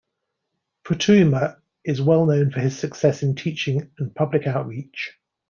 Futuyma is well known for his success in teaching and public outreach.